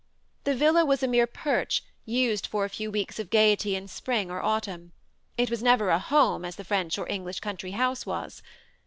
The villa was a mere perch used for a few weeks of gaiety in spring or autumn; it was never a home as the French or English country house was.